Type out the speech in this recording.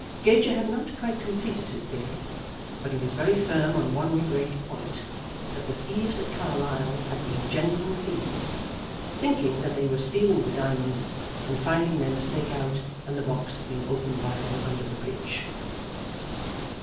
Gager had not quite completed his theory; but he was very firm on one great point, that the thieves at Carlisle had been genuine thieves, thinking that they were stealing the diamonds, and finding their mistake out when the box had been opened by them under the bridge.